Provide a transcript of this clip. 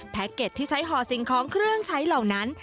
เก็ตที่ใช้ห่อสิ่งของเครื่องใช้เหล่านั้น